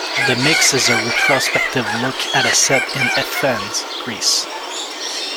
The mix is a retrospective look at a set in Athens, Greece.